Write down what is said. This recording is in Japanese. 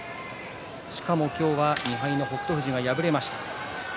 しかも今日は２敗の北勝富士が敗れました。